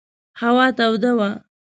هوا توده وه.